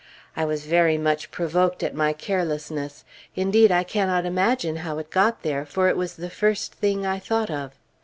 I was very much provoked at my carelessness; indeed, I cannot imagine how it got there, for it was the first thing I thought of.